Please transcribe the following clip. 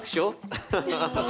アハハハハッ。